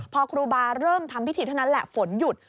พอครูบาเริ่มทำพิธีเท่านั้นแหละฝนหยุด